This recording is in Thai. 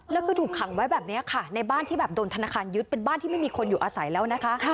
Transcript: แล้วก็ถูกขังไว้แบบนี้ค่ะในบ้านที่แบบโดนธนาคารยึดเป็นบ้านที่ไม่มีคนอยู่อาศัยแล้วนะคะ